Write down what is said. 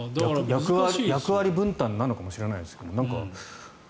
役割分担なのかもしれないですけど。